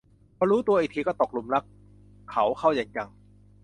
พอรู้ตัวอีกทีก็ตกหลุมรักเขาเข้าอย่างจัง